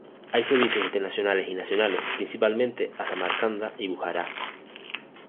Hay servicios internacionales y nacionales, principalmente a Samarcanda y Bujará.